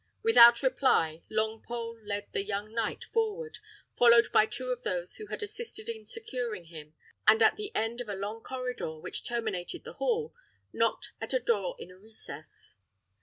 Without reply, Longpole led the young knight forward, followed by two of those who had assisted in securing him; and at the end of a long corridor, which terminated the hall, knocked at a door in a recess.